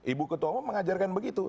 ibu ketua mengajarkan begitu